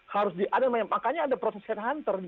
harus diadakan makanya ada proses headhunter